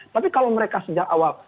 tapi kalau mereka sejak awal